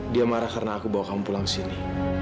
dia marah karena aku bawa kamu pulang sini